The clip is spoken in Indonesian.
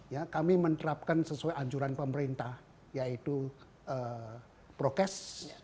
ya kami menerapkan sesuai anjuran pemerintah yaitu prokes